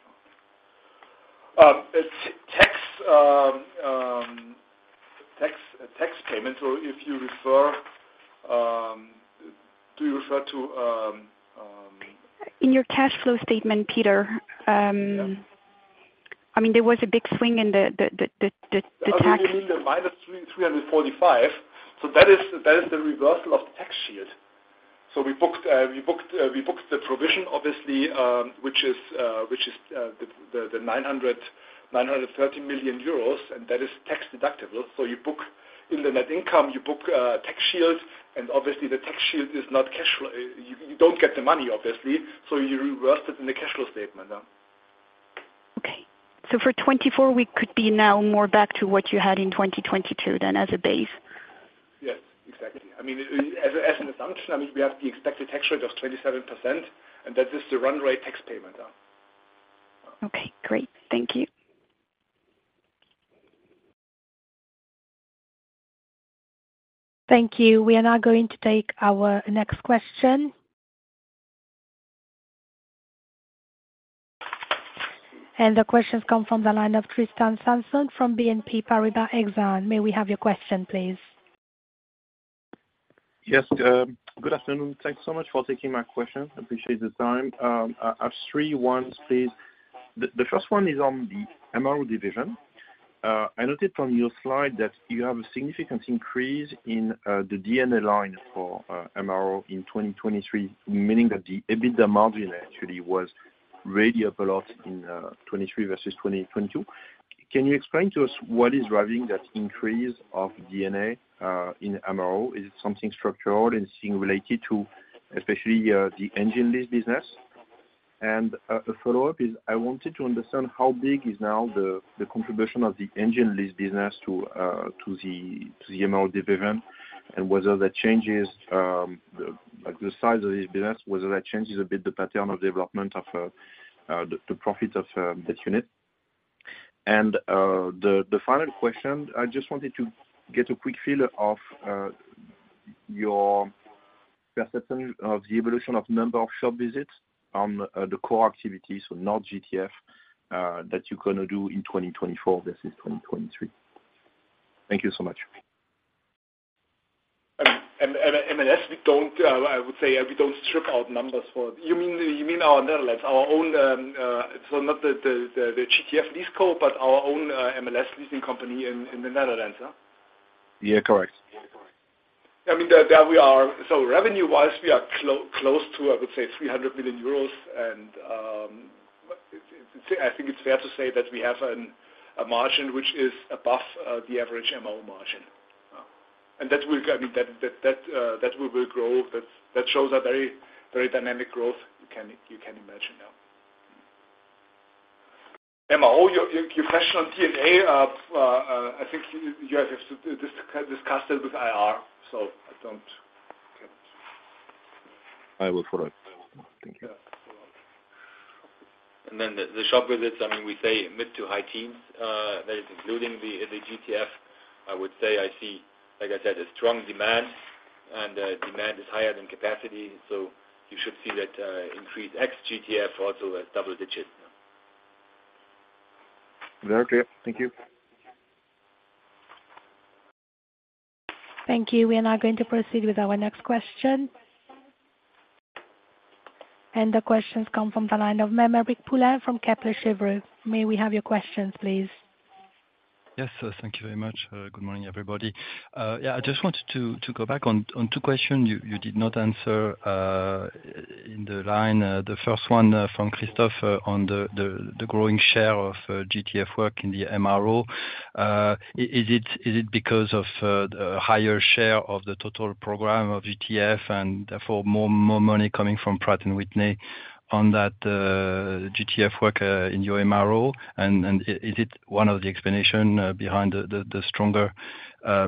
D: Tax payments, so if you refer, do you refer to?
M: In your cash flow statement, Peter, I mean, there was a big swing in the tax.
D: I mean, the -345 million, so that is the reversal of the tax shield. So we booked the provision, obviously, which is the 930 million euros. And that is tax deductible. So in the net income, you book tax shield. And obviously, the tax shield is not cash flow. You don't get the money, obviously. So you reverse it in the cash flow statement.
M: Okay. For 2024, we could be now more back to what you had in 2022 then as a base?
D: Yes. Exactly. I mean, as an assumption, I mean, we have the expected tax rate of 27%. That is the runway tax payment.
M: Okay. Great. Thank you.
A: Thank you. We are now going to take our next question. The questions come from the line of Tristan Sanson from BNP Paribas Exane. May we have your question, please?
N: Yes. Good afternoon. Thanks so much for taking my question. I appreciate the time. I have three questions, please. The first one is on the MRO division. I noted from your slide that you have a significant increase in the EBITDA line for MRO in 2023, meaning that the EBITDA margin actually was really up a lot in 2023 versus 2022. Can you explain to us what is driving that increase of EBITDA in MRO? Is it something structural and seeming related to especially the engine lease business? And a follow-up is, I wanted to understand how big is now the contribution of the engine lease business to the MRO division and whether that changes the size of this business, whether that changes a bit the pattern of development of the profit of that unit? The final question, I just wanted to get a quick feel of your perception of the evolution of number of shop visits on the core activity, so not GTF, that you're going to do in 2024 versus 2023? Thank you so much.
D: MLS, I would say we don't strip out numbers for you mean our Netherlands, our own so not the GTF lease corp, but our own MLS leasing company in the Netherlands.
N: Yeah. Correct.
D: I mean, there we are. So revenue-wise, we are close to, I would say, 300 million euros. And I think it's fair to say that we have a margin which is above the average MRO margin. And I mean, that will grow. That shows a very dynamic growth you can imagine. MRO, your question on D&A, I think you have discussed it with IR. So I don't can.
N: I will follow up. Thank you.
C: Then the shop visits, I mean, we say mid to high teens. That is including the GTF. I would say I see, like I said, a strong demand. And demand is higher than capacity. So you should see that increase ex-GTF also as double digits.
N: Very clear. Thank you.
A: Thank you. We are now going to proceed with our next question. The questions come from the line of Aymeric Poulain from Kepler Cheuvreux. May we have your questions, please?
O: Yes. Thank you very much. Good morning, everybody. Yeah. I just wanted to go back on two questions you did not answer in the line. The first one from Christoph on the growing share of GTF work in the MRO. Is it because of a higher share of the total program of GTF and therefore more money coming from Pratt & Whitney on that GTF work in your MRO? And is it one of the explanations behind the stronger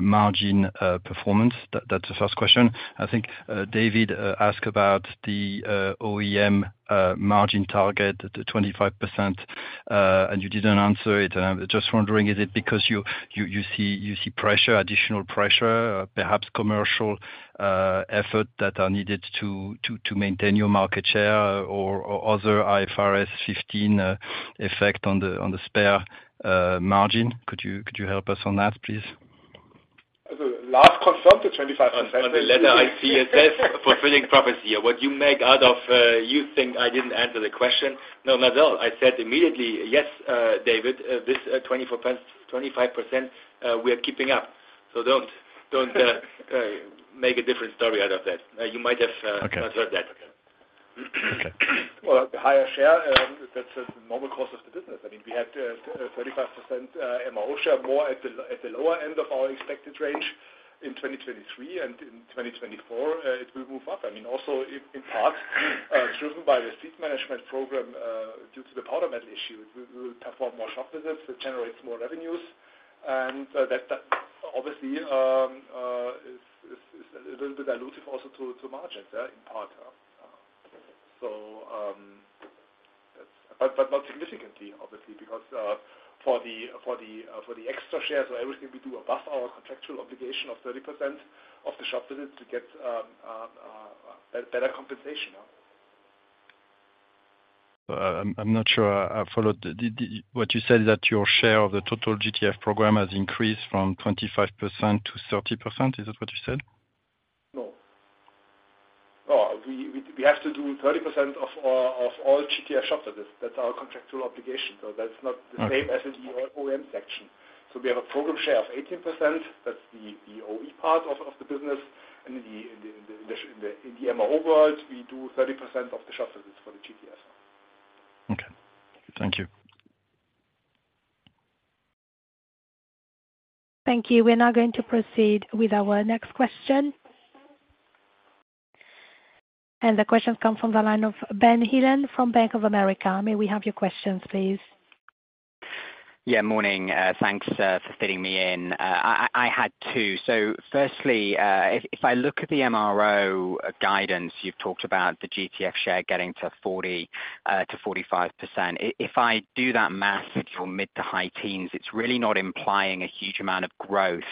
O: margin performance? That's the first question. I think David asked about the OEM margin target, the 25%. And you didn't answer it. And I'm just wondering, is it because you see pressure, additional pressure, perhaps commercial efforts that are needed to maintain your market share or other IFRS 15 effect on the spare margin? Could you help us on that, please?
D: Last confirmed, the 25%.
C: On the letter, I see a self-fulfilling prophecy. What you make out of you think I didn't answer the question. No, not at all, I said immediately, "Yes, David, this 25%, we are keeping up." So don't make a different story out of that. You might have not heard that.
O: Okay.
D: Well, higher share, that's a normal course of the business. I mean, we had a 35% MRO share, more at the lower end of our expected range in 2023. And in 2024, it will move up. I mean, also in part, driven by the fleet management program due to the Powder Metal Issue, we will perform more shop visits. It generates more revenues. And that obviously is a little bit allusive also to margins in part. But not significantly, obviously, because for the extra share, so everything we do above our contractual obligation of 30% of the shop visits, we get better compensation.
O: I'm not sure I followed. What you said is that your share of the total GTF program has increased from 25%-30%. Is that what you said?
D: No. Oh, we have to do 30% of all GTF shop visits. That's our contractual obligation. So that's not the same as in the OEM section. So we have a program share of 18%. That's the OE part of the business. And in the MRO world, we do 30% of the shop visits for the GTF.
O: Okay. Thank you.
A: Thank you. We are now going to proceed with our next question. The questions come from the line of Ben Heelan from Bank of America. May we have your questions, please?
P: Yeah. Morning. Thanks for fitting me in. I had two. So firstly, if I look at the MRO guidance, you've talked about the GTF share getting to 40%-45%. If I do that math with your mid- to high teens, it's really not implying a huge amount of growth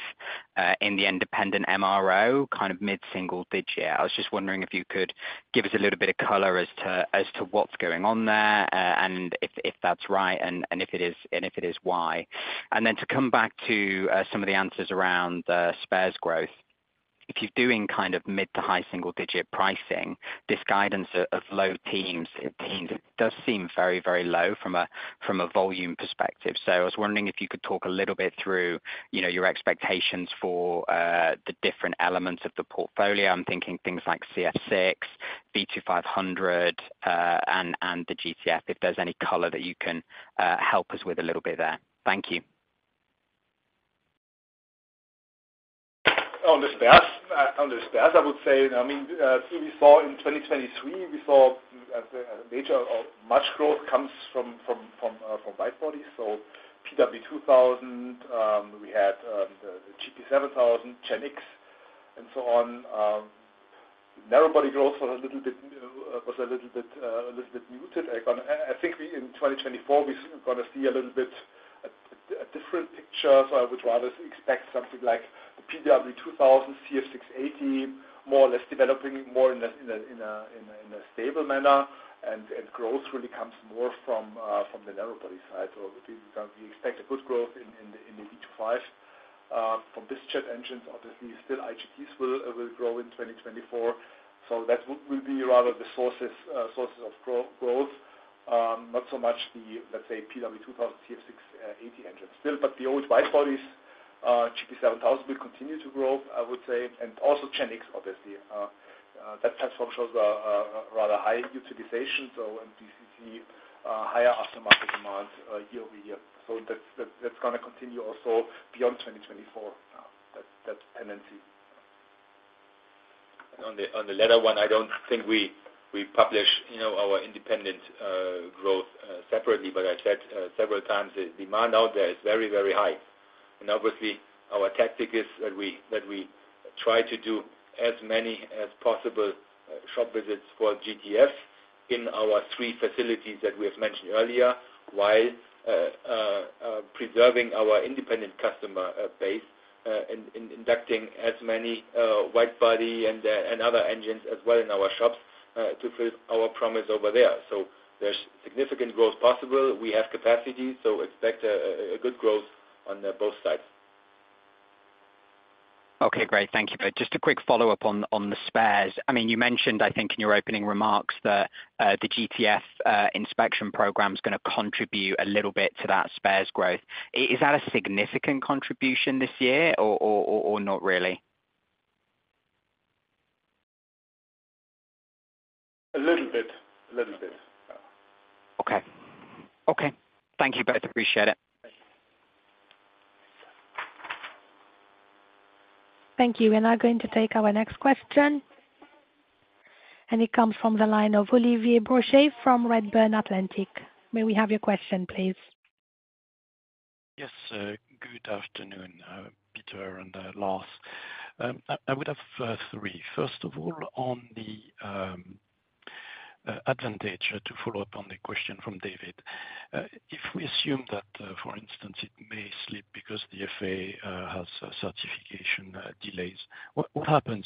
P: in the independent MRO, kind of mid-single-digit. I was just wondering if you could give us a little bit of color as to what's going on there and if that's right and if it is why. And then to come back to some of the answers around spares growth, if you're doing kind of mid- to high single-digit pricing, this guidance of low teens, it does seem very, very low from a volume perspective. So I was wondering if you could talk a little bit through your expectations for the different elements of the portfolio. I'm thinking things like CF6, V2500, and the GTF, if there's any color that you can help us with a little bit there. Thank you.
D: On the spares, I would say I mean, we saw in 2023, we saw a major much growth comes from wide bodies. So PW2000, we had the GP7000, GenX, and so on. Narrow body growth was a little bit muted. I think in 2024, we're going to see a little bit a different picture. So I would rather expect something like the PW2000, CF6-80, more or less developing more in a stable manner. And growth really comes more from the narrow body side. So we expect a good growth in the V2500. For BizJet engines, obviously, still IGTs will grow in 2024. So that will be rather the sources of growth, not so much the, let's say, PW2000, CF6-80 engines still. But the old wide bodies, GP7000, will continue to grow, I would say. And also GenX, obviously. That platform shows a rather high utilization. We see higher aftermarket demand year-over-year. That's going to continue also beyond 2024, that tendency.
C: On the latter one, I don't think we publish our independent growth separately. But I said several times, the demand out there is very, very high. And obviously, our tactic is that we try to do as many as possible shop visits for GTF in our three facilities that we have mentioned earlier while preserving our independent customer base and inducting as many widebody and other engines as well in our shops to fulfill our promise over there. So there's significant growth possible. We have capacity. So expect a good growth on both sides.
P: Okay. Great. Thank you. But just a quick follow-up on the spares. I mean, you mentioned, I think, in your opening remarks that the GTF inspection program is going to contribute a little bit to that spares growth. Is that a significant contribution this year or not really?
D: A little bit. A little bit.
P: Okay. Okay. Thank you both. Appreciate it.
A: Thank you. We are now going to take our next question. It comes from the line of Olivier Brochet from Redburn Atlantic. May we have your question, please?
Q: Yes. Good afternoon, Peter and Lars. I would have three. First of all, on the Advantage to follow up on the question from David. If we assume that, for instance, it may slip because the FAA has certification delays, what happens?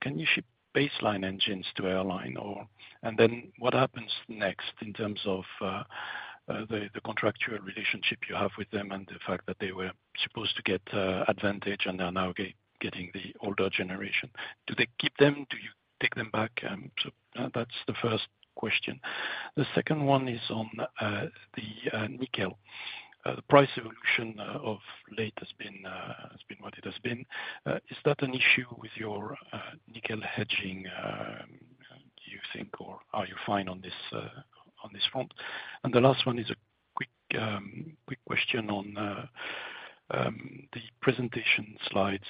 Q: Can you ship baseline engines to airline? And then what happens next in terms of the contractual relationship you have with them and the fact that they were supposed to get Advantage and are now getting the older generation? Do they keep them? Do you take them back? So that's the first question. The second one is on the nickel. The price evolution of late has been what it has been. Is that an issue with your nickel hedging, do you think, or are you fine on this front? And the last one is a quick question on the presentation slides.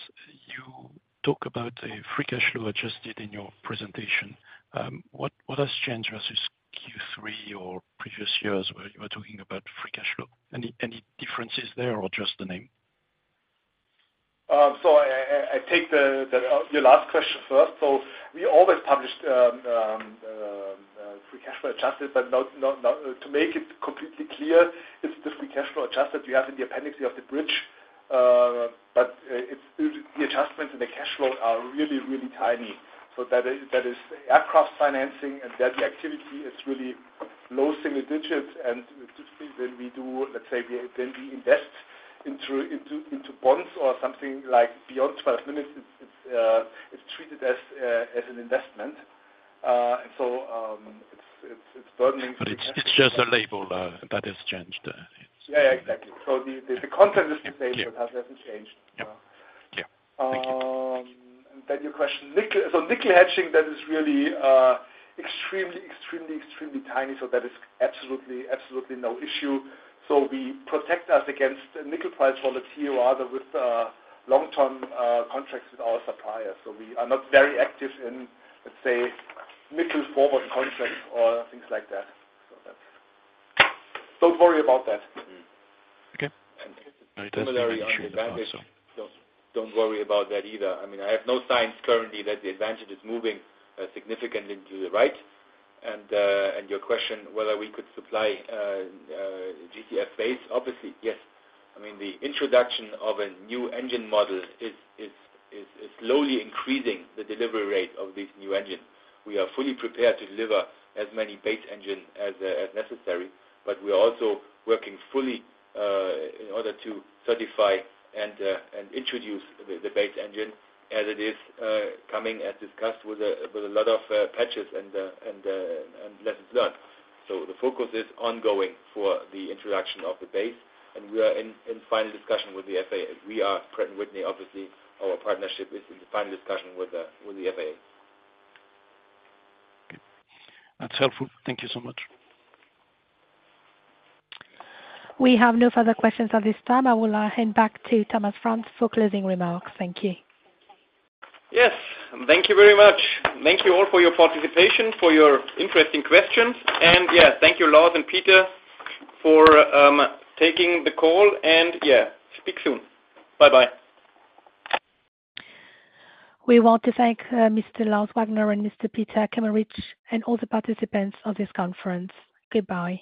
Q: You talk about a free cash flow adjusted in your presentation. What has changed versus Q3 or previous years where you were talking about free cash flow? Any differences there or just the name?
D: So I take your last question first. We always published free cash flow adjusted. But to make it completely clear, it's the free cash flow adjusted you have in the appendix of the bridge. But the adjustments in the cash flow are really, really tiny. That is aircraft financing. And there's the activity. It's really low single digits. And when we do, let's say, then we invest into bonds or something like beyond 12 minutes, it's treated as an investment. And so it's burdening for the customer.
Q: But it's just a label that has changed.
D: Yeah. Yeah. Exactly. So the content is the same, but hasn't changed.
Q: Yeah. Thank you.
D: Then your question, nickel. So nickel hedging, that is really extremely, extremely, extremely tiny. So that is absolutely, absolutely no issue. So we protect us against nickel price volatility rather with long-term contracts with our suppliers. So we are not very active in, let's say, nickel forward contracts or things like that. So don't worry about that.
Q: Okay. Very touching.
C: Similarly, on the Advantage, don't worry about that either. I mean, I have no signs currently that the Advantage is moving significantly to the right. Your question, whether we could supply GTF base, obviously, yes. I mean, the introduction of a new engine model is slowly increasing the delivery rate of these new engines. We are fully prepared to deliver as many base engines as necessary. But we are also working fully in order to certify and introduce the base engine as it is coming, as discussed, with a lot of patches and lessons learned. The focus is ongoing for the introduction of the base. We are in final discussion with the FAA. We are Pratt & Whitney, obviously. Our partnership is in the final discussion with the FAA.
Q: That's helpful. Thank you so much.
A: We have no further questions at this time. I will hand back to Thomas Franz for closing remarks. Thank you.
B: Yes. Thank you very much. Thank you all for your participation, for your interesting questions. And yeah, thank you, Lars and Peter, for taking the call. And yeah, speak soon. Bye-bye.
A: We want to thank Mr. Lars Wagner and Mr. Peter Kameritsch and all the participants of this conference. Goodbye.